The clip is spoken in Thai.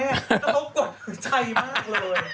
แล้วเขากดหัวใจมากเลย